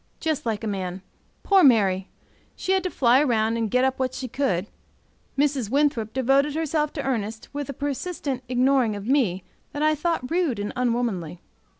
Just like a man! Poor Mary! she had to fly round and get up what she could; Mrs. Winthrop devoted herself to Ernest with a persistent ignoring of me that I thought rude and unwomanly.